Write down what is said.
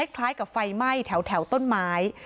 คล้ายกับไฟไหม้แถวต้นไม้